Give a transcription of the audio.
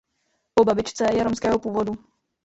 Po babičce je romského původu.